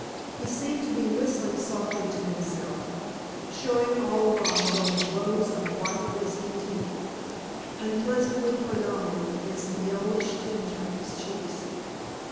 He seemed to be whistling softly to himself, showing all the while those rows of white, glistening teeth unpleasantly prominent against the yellowish tinge of his cheeks.